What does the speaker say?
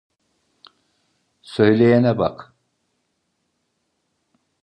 Söyleyene bak.